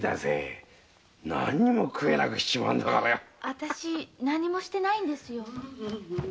私何もしてないんですよ。